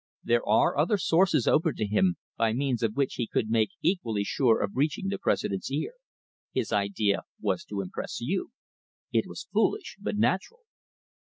There are other sources open to him, by means of which he could make equally sure of reaching the President's ear. His idea was to impress you. It was foolish but natural."